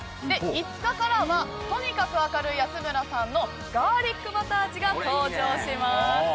５日からはとにかく明るい安村さんのガーリックバター味が登場します。